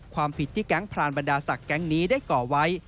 ความผิดที่แก๊งพรานบรรดาศักดิ์แก๊งนี้ได้ก่อไว้